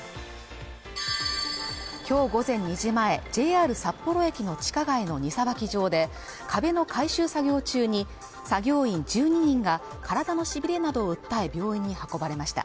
きょう午前２時前ＪＲ札幌駅の地下街の荷さばき場で壁の改修作業中に作業員１２人が体のしびれなどを訴え病院に運ばれました